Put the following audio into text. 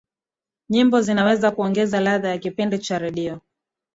nyimbo zinaweza kuongeza ladha ya kipindi cha redio